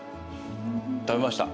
食べました。